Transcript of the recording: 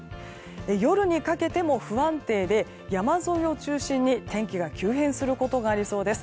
夜にかけても不安定で山沿いを中心に天気が急変することがありそうです。